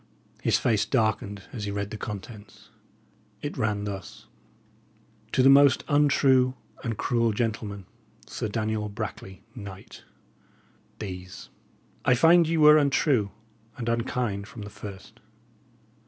His face darkened as he read the contents. It ran thus: To the most untrue and cruel gentylman, Sir Daniel Brackley, Knyght, These: I fynde ye were untrue and unkynd fro the first.